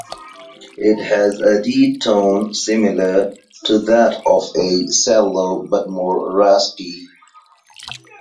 It has a deep tone similar to that of a cello, but more raspy.